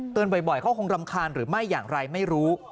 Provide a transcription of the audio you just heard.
บ่อยเขาคงรำคาญหรือไม่อย่างไรไม่รู้